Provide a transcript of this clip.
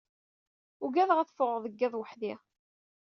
Ugadeɣ ad fɣeɣ deg iḍ weḥdi.